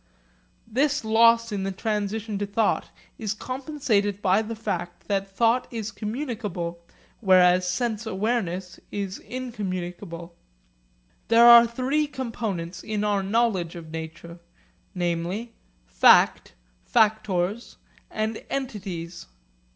This loss in the transition to thought is compensated by the fact that thought is communicable whereas sense awareness is incommunicable. Thus there are three components in our knowledge of nature, namely, fact, factors, and entities.